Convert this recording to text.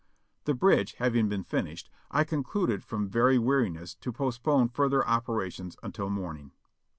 The bridge having been finished, I concluded from very weari ness to postpone further operations until morning.